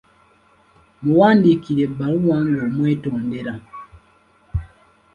Muwandiikire ebbaluwa ng’omwetondera.